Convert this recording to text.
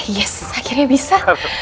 yes akhirnya bisa